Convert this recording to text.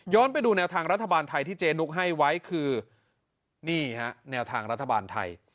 ไปดูแนวทางรัฐบาลไทยที่เจนุกให้ไว้คือนี่ฮะแนวทางรัฐบาลไทย